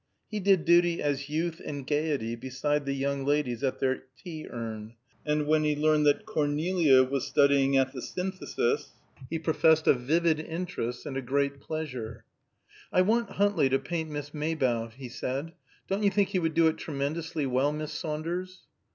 He did duty as youth and gayety beside the young ladies at their tea urn, and when he learned that Cornelia was studying at the Synthesis, he professed a vivid interest and a great pleasure. "I want Huntley to paint Miss Maybough," he said. "Don't you think he would do it tremendously well, Miss Saunders?"